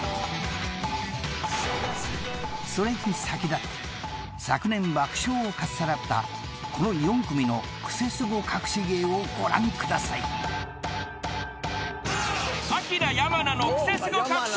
［それに先立って昨年爆笑をかっさらったこの４組のクセスゴかくし芸をご覧ください］これ？